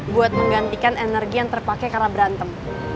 buat menggantikan energi yang terpakai karena berantem